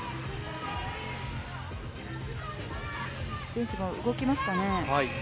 ベンチも動きますかね。